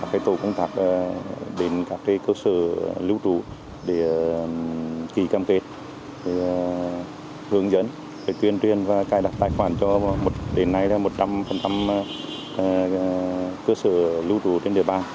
hướng dẫn truyền truyền và cài đặt tài khoản cho đến nay là một trăm linh cơ sở lưu trú trên địa bàn